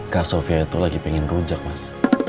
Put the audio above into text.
kak sofia itu lagi pengen rujak mas